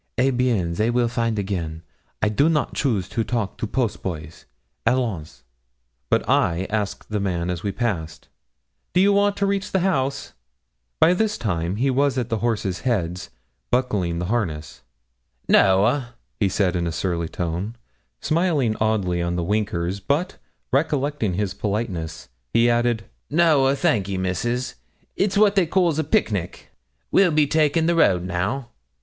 'Eh bien, they will find again. I do not choose to talk to post boys; allons!' But I asked the man as we passed, 'Do you want to reach the house?' By this time he was at the horses' heads, buckling the harness. 'Noa,' he said in a surly tone, smiling oddly on the winkers, but, recollecting his politeness, he added, 'Noa, thankee, misses, it's what they calls a picnic; we'll be takin' the road now.'